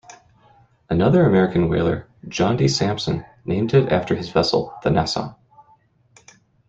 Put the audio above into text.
Another American whaler, John D. Sampson named it after his vessel, the "Nassau".